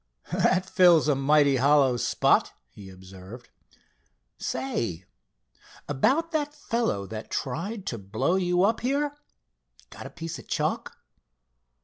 "That fills a mighty hollow spot," he observed. "Say, about the fellow that tried to blow you up here—got a piece of chalk?"